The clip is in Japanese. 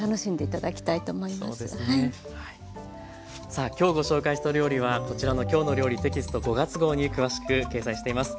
さあ今日ご紹介したお料理はこちらの「きょうの料理」テキスト５月号に詳しく掲載しています。